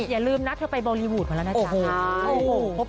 อย่าลืมนะเธอไปบอลลีวูดมาแล้วนะจ๊ะ